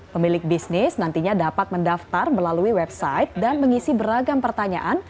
pemilik bisnis nantinya dapat mendaftar melalui website dan mengisi beragam pertanyaan